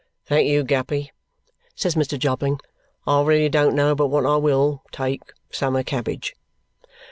"Thank you, Guppy," says Mr. Jobling. "I really don't know but what I WILL take summer cabbage."